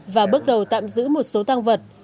và bước đầu tạm giữ một số tăng vật